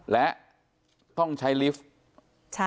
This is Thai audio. และต้องใช้ลิฟต์